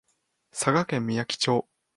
佐賀県みやき町